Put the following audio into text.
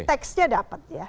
tekstnya dapat ya